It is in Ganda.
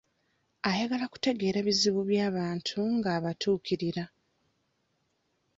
Ayagala kutegeera bizibu by'abantu ng'abatuukirira.